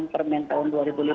permen tahun dua ribu lima belas